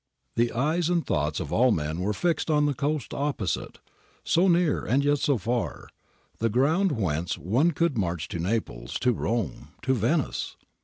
^ The eyes and thoughts of all men were fixed on the coast opposite, so near and yet so far, the ground whence one could march to Naples, to Rome, to Venice.